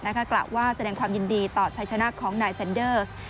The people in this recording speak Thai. กล่าวว่าแสดงความยินดีต่อชัยชนะของนายเซ็นเดอร์ส